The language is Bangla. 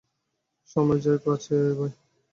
সময় যায় পাছে এই ভয়।